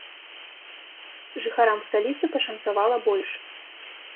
Жыхарам сталіцы пашанцавала больш.